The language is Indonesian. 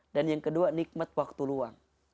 dan yang kedua nikmat waktu luang